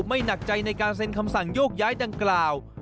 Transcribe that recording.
ไม่หนักใจในการเซ็นคำสั่งโยกย้ายดังกล่าว